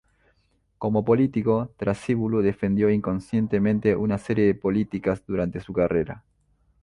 Como político, Trasíbulo defendió insistentemente una serie de políticas durante su carrera.